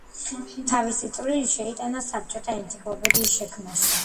თავისი წვლილი შეიტანა ქართული საბჭოთა ენციკლოპედიის შექმნაში.